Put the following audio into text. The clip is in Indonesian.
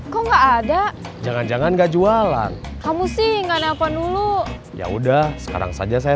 kok nggak ada jangan jangan enggak jualan kamu sih ingat apa dulu ya udah sekarang saja saya